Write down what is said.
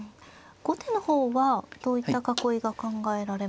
後手の方はどういった囲いが考えられますか。